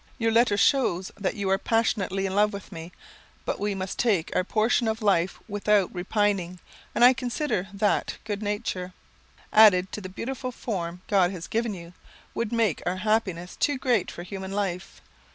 Your letter shows that you are passionately in love with me. But we must take our portion of life without repining and I consider that good nature, added to the beautiful form God has given you, would make our happiness too great for human life.